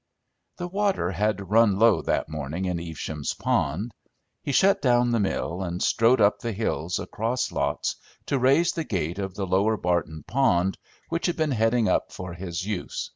The water had run low that morning in Evesham's pond. He shut down the mill, and strode up the hills, across lots, to raise the gate of the lower Barton pond, which had been heading up for his use.